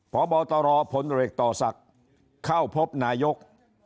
พบตรผลเอกต่อศักดิ์เข้าพบนายก